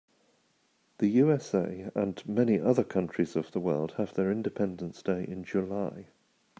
The USA and many other countries of the world have their independence day in July.